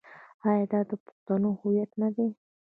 آیا دا د پښتنو هویت نه دی؟